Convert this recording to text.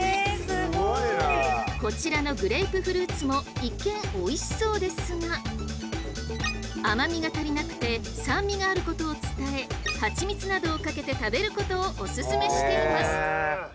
こちらのグレープフルーツも一見おいしそうですが甘みが足りなくて酸味があることを伝え蜂蜜などをかけて食べることをおすすめしています。